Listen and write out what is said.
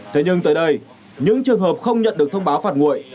thế nhưng tới đây những trường hợp không nhận được thông báo phạt nguội